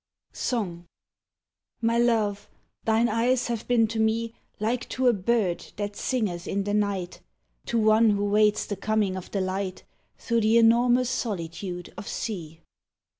65 SONG MY Love, thine eyes have been to me Like to a bird that singeth in the night To one who waits the coming of the light Through the enormous solitude of sea.